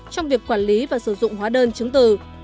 trong việc quản lý và sử dụng hóa đơn chứng từ